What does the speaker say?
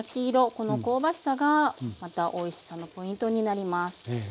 この香ばしさがまたおいしさのポイントになります。